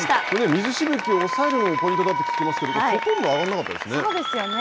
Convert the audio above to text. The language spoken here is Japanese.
水しぶきを抑えるのもポイントだと聞きますけどほとんど上がらなかったですよね。